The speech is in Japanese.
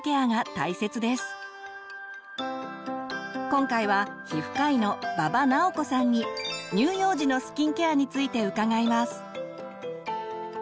今回は皮膚科医の馬場直子さんに乳幼児のスキンケアについて伺います。